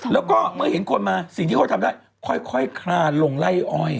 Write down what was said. แล้วก็เมื่อเห็นคนมาสิ่งที่เขาทำได้ค่อยคลานลงไล่อ้อย